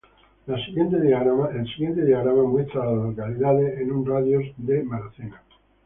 El siguiente diagrama muestra a las localidades en un radio de de Vista West.